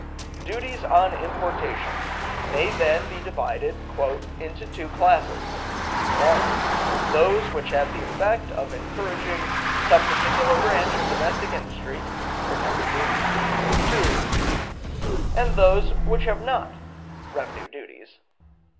Duties on importation may, then, be divided "into two classes: (1) those which have the effect of encouraging some particular branch of domestic industry [protective duties], (2) and those which have not [revenue duties].